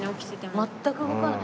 全く動かない。